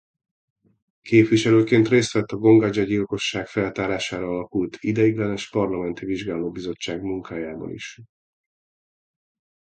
Képviselőként részt vett a Gongadze-gyilkosság feltárására alakult ideiglenes parlamenti vizsgálóbizottság munkájában is.